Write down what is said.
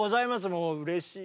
もううれしい。